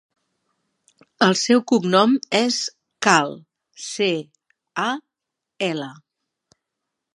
El seu cognom és Cal: ce, a, ela.